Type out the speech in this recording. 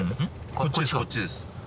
こっちですこっちです。